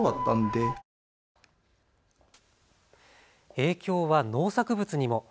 影響は農作物にも。